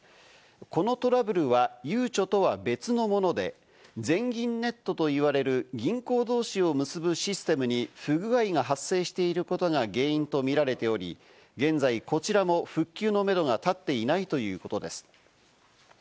このトラブルは、ゆうちょとは別のもので、全銀ネットといわれる銀行同士を結ぶシステムに不具合が発生していることが原因とみられており、現在こちらも復旧のめどが立っていないということです。